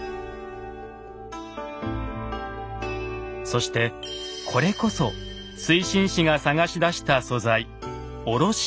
そしてこれこそ水心子が探し出した素材卸鉄。